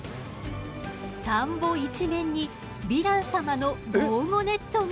田んぼ一面にヴィラン様の防護ネットが。